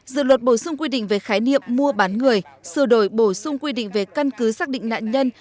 dự luật bổ sung quy định về khái niệm mua bán người sửa đổi bổ sung quy định về căn cứ xác định nạn nhân